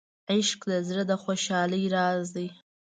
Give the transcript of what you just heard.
عشق د زړه د خوشحالۍ راز دی.